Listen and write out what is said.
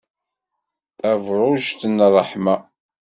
Tabṛujt n ṛṛeḥma.